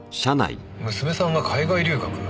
娘さんが海外留学。